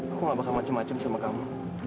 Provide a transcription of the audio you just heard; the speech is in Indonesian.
aku nggak bakal macem macem sama kamu